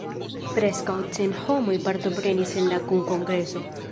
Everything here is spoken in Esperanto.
Preskaŭ cent homoj partoprenis en la kunkongreso.